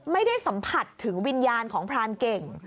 ไม่ได้สัมผัสถึงวิญญาณของพรานเก่ง